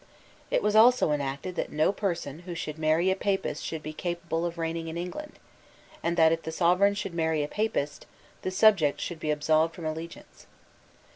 It was also enacted that no person who should marry a Papist should be capable of reigning in England, and that, if the Sovereign should marry a Papist, the subject should be absolved from allegiance.